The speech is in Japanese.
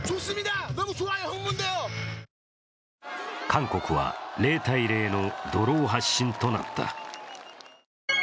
韓国は０−０のドロー発進となった。